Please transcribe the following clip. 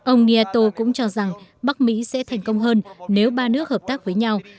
ông niato cũng cho rằng bắc mỹ sẽ thành công hơn nếu ba nước hợp tác với nhau